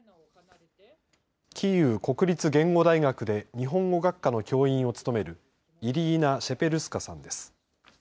キーウ国立言語大学で日本語学科の教員を務めるイリーナ・シェペルスカさんです。